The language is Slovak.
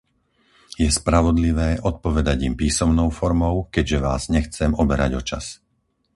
Je spravodlivé odpovedať im písomnou formou, keďže vás nechcem oberať o čas.